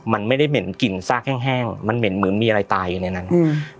มันไม่ได้เหม็นกลิ่นซากแห้งแห้งมันเหม็นเหมือนมีอะไรตายอยู่ในนั้นอืม